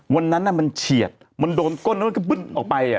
วันนั้นมันเฉียดมันมันกดอะไรออกไป